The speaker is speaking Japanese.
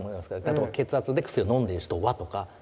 例えば血圧で薬を飲んでいる人はとか。